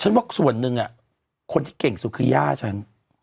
ว่าส่วนหนึ่งคนที่เก่งสุดคือย่าฉัน